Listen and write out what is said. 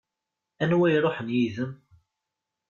Anwa i iṛuḥen yid-m?